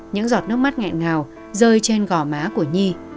những giọt nước mắt nghẹn ngào rơi trên gò má của nhi